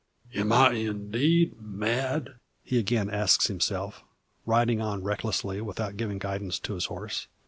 "Am I indeed mad?" he again asks himself, riding on recklessly, without giving guidance to his horse.